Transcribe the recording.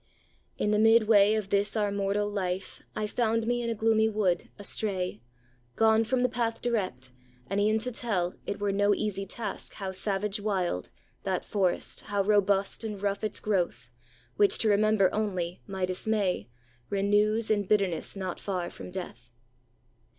In the midway of this our mortal life, I found me in a gloomy wood, astray, Gone from the path direct: and e'en to tell It were no easy task, how savage wild That forest, how robust and rough its growth, Which to remember only, my dismay Renews, in bitterness not far from death.